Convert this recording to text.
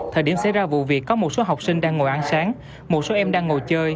thời điểm xảy ra vụ việc có một số học sinh đang ngồi ăn sáng một số em đang ngồi chơi